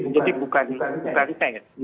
jadi bukan rantai